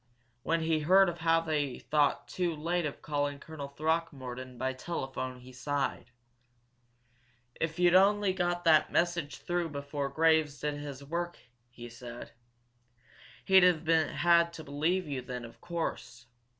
When he heard of how they had thought too late of calling Colonel Throckmorton by telephone he sighed. "If you'd only got that message through before Graves did his work!" he said. "He'd have had to believe you then, of course.